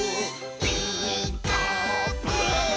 「ピーカーブ！」